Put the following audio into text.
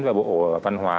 và bộ văn hóa